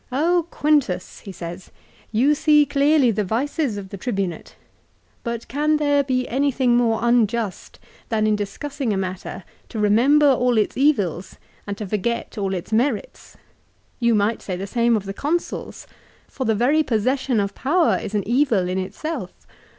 " Quintus," he says, " you see clearly the vices of the Tribunate ; but can there be anything more unjust than in discussing a matter, to remember all its evils and to forget all its merits ! You might say the same of the Consuls. For the very possession of power is an evil in itself.